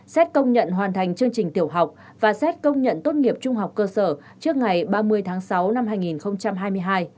xét công nhận hoàn thành chương trình tiểu học và xét công nhận tốt nghiệp trung học cơ sở trước ngày ba mươi tháng sáu năm hai nghìn hai mươi hai